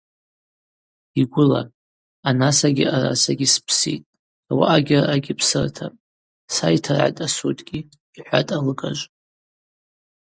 Йгвыла – Анасагьи арасагьи спситӏ, ауаъагьи араъагьи псыртапӏ, сайтыргӏатӏ асудгьи, – йхӏватӏ алыгажв.